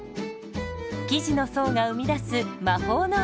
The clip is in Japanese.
生地の層が生み出す魔法の味。